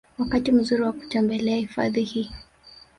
Wakati mzuri wa kutembelea hifadhi hii